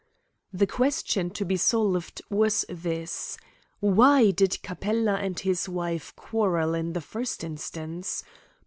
The question to be solved was this: Why did Capella and his wife quarrel in the first instance?